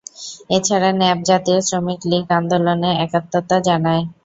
এছাড়া ন্যাপ, জাতীয় শ্রমিক লীগ আন্দোলনে একাত্মতা জানায়।